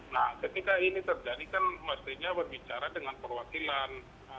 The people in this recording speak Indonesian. nah ketika ini terjadi kan mestinya berbicara dengan perwakilan